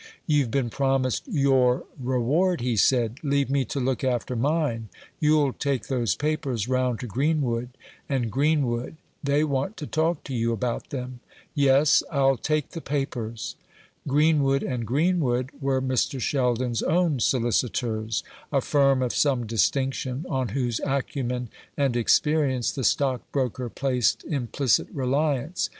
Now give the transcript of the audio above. "You've been promised your reward," he said; "leave me to look after mine. You'll take those papers round to Greenwood and Greenwood; they want to talk to you about them." "Yes, I'll take the papers." Greenwood and Greenwood were Mr. Sheldon's own solicitors a firm of some distinction, on whose acumen and experience the stockbroker placed implicit reliance.